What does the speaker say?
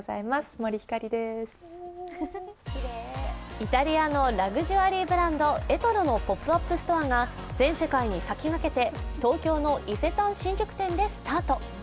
イタリアのラグジュアリーブランド、エトロのポップアップストアが全世界に先駆けて東京の伊勢丹新宿店でスタート。